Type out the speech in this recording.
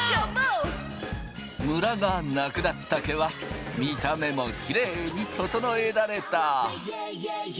ムラがなくなった毛は見た目もきれいに整えられた。